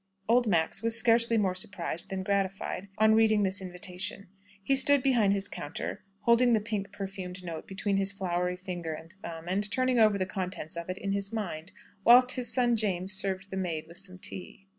Old Max was scarcely more surprised than gratified on reading this invitation. He stood behind his counter holding the pink perfumed note between his floury finger and thumb, and turning over the contents of it in his mind, whilst his son James served the maid with some tea.